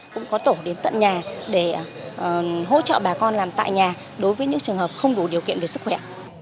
cũng có tổ đến tận nhà để hỗ trợ bà con làm tại nhà đối với những trường hợp không đủ điều kiện về sức khỏe